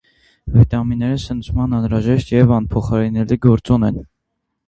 Վիտամինները սնուցման անհրաժեշտ և անփոխարինելի գործոն են։